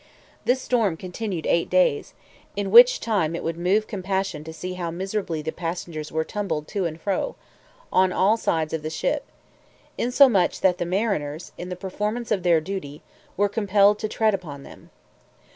This storm continued eight days; in which time it would move compassion to see how miserably the passengers were tumbled to and fro, on all sides of the ship; insomuch, that the mariners, in the performance of their duty, were compelled to tread upon them.